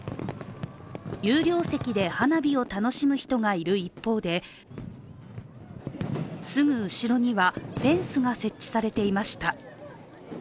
有料席で花火を楽しむ人がいる一方で、すぐ後ろにはフェンスが設置されていました。